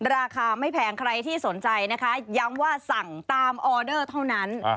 ราคาไม่แพงใครที่สนใจนะคะย้ำว่าสั่งตามออเดอร์เท่านั้น